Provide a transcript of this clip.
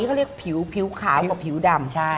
ก็เรียกผิวขาวกว่าผิวดำ